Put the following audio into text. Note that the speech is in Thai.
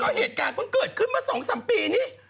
แต่ก็เหตุการณ์ก็เกิดขึ้นมา๒๓ปีนี้